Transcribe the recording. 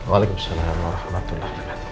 waalaikumsalam warahmatullah wabarakatuh